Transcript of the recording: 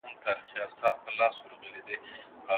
بې تعصبه څېړنه پایله ترلاسه کولو کي مرسته کوي.